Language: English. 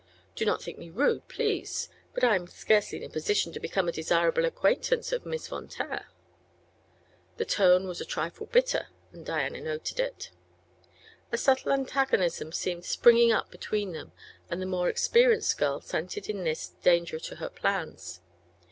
"Do not think me rude, please; but I am scarcely in a position to become a desirable acquaintance of Miss Von Taer." The tone was a trifle bitter, and Diana noted it. A subtile antagonism seemed springing up between them and the more experienced girl scented in this danger to her plans.